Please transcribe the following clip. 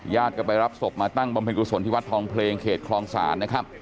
กลับไปรับศพมาตั้งบำเพ็ญกุศลที่วัดทองเพลงเขตคลองศาลนะครับ